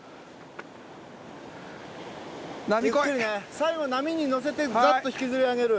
最後波に乗せてざっと引きずり上げる